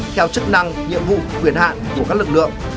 theo chức năng nhiệm vụ quyền hạn của các lực lượng